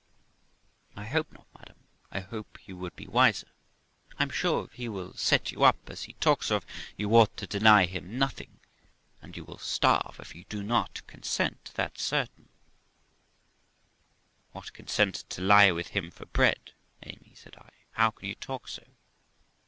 'I hope not, madam, I hope you would be wiser; I'm sure if he will set you up, as he talks of, you ought to deny him nothing ; and you will Starve if you do not consent, that's certain,' THE LIFE OF ROXANA 209 What! consent to lie with him for bread? Amy', said I, 'how can you talk so!'